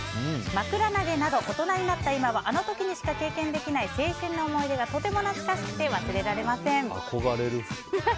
枕投げなど大人になった今はあの時にしか経験できない青春の思い出がとても懐かしくて忘れられません。